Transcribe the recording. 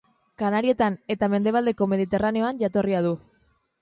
Kanarietan eta mendebaldeko Mediterraneoan jatorria du.